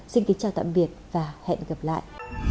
xin kính chào tạm biệt và hẹn gặp lại